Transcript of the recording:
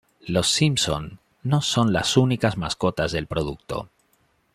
Los Simpson no son las únicas mascotas del producto.